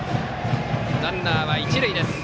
ランナーは一塁です。